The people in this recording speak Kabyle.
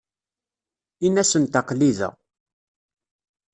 Ini-asent aql-i da.